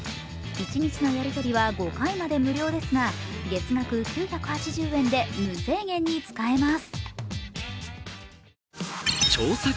一日のやり取りは５回まで無料ですが、月額９８０円で無制限に使えます。